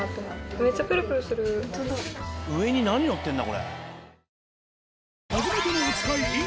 上に何のってんだ？